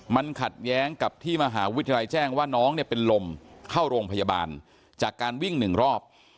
มันขัดแย้งกับที่มหาวิทยาลัยแจ้งว่าน้องเนี่ยเป็นลมเข้าโรงพยาบาลจากการวิ่งหนึ่งรอบ